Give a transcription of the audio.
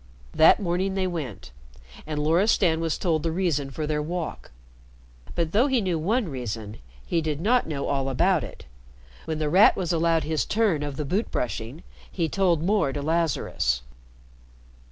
That morning they went, and Loristan was told the reason for their walk. But though he knew one reason, he did not know all about it. When The Rat was allowed his "turn" of the boot brushing, he told more to Lazarus.